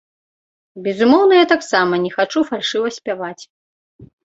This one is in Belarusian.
Безумоўна, я таксама не хачу фальшыва спяваць.